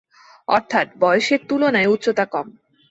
অর্থাৎ বয়সের তুলনায় উচ্চতা কম।